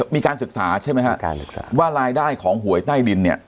มีการศึกษาใช่ไหมฮะการศึกษาว่ารายได้ของหวยใต้ดินเนี่ย